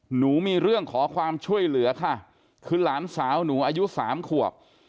หนูมีเรื่องขอความช่วยเหลือค่ะคือหลานสาวหนูอายุสามขวบ